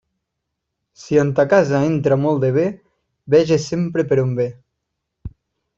Si en ta casa entra molt de bé, veges sempre per on ve.